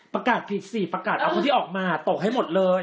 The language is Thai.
ประกาศผิดสิประกาศเอาคนที่ออกมาตกให้หมดเลย